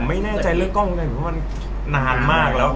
ไม่แน่ใจเรื่องกล้องเลยเพราะมันนานมากแล้ว